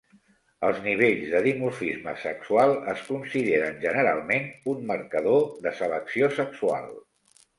Els nivells de dimorfisme sexual es consideren, generalment, un marcador de selecció sexual.